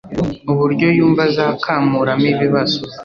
uburyo yumva azakamuramo ibibazo